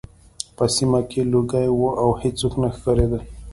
په سیمه کې لوګي وو او هېڅوک نه ښکارېدل